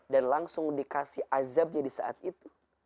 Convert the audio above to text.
dan langsung dikasih azabnya di saat itu